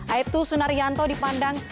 aibtu sunaryanto dipandang